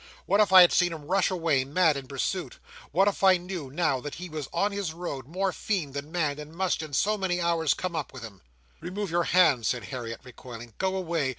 What if I had seen him rush away, mad, in pursuit? What if I knew, now, that he was on his road, more fiend than man, and must, in so many hours, come up with him?" "Remove your hand!" said Harriet, recoiling. "Go away!